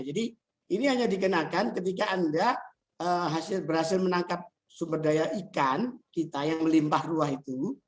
jadi ini hanya dikenakan ketika anda berhasil menangkap sumber daya ikan kita yang melimpah ruah itu